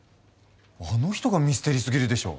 あの人がミステリーすぎるでしょ！